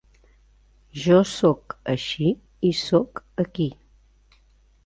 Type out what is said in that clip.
Jo sóc així i sóc aquí.